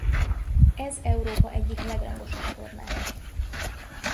Ez Európa egyik legrangosabb tornája.